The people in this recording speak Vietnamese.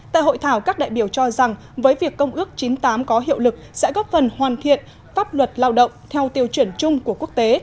tại hội thảo các đại biểu cho rằng với việc công ước chín mươi tám có hiệu lực sẽ góp phần hoàn thiện pháp luật lao động theo tiêu chuẩn chung của quốc tế